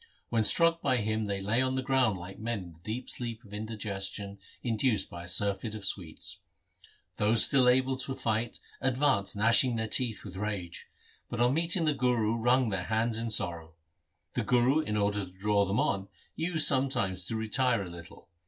When struck by him they lay on the ground like men in the deep sleep of indigestion induced by a surfeit of sweets. Those still able to fight advanced gnashing their teeth with rage, but on meeting the Guru wrung their hands in sorrow. The Guru in order to draw them on used sometimes to retire a little.